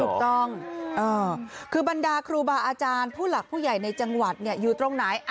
ถูกต้องคือบรรดาครูบาอาจารย์ผู้หลักผู้ใหญ่ในจังหวัดอยู่ตรงไหน